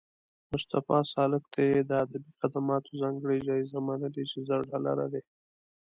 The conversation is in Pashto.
مصطفی سالک ته یې د ادبي خدماتو ځانګړې جایزه منلې چې زر ډالره دي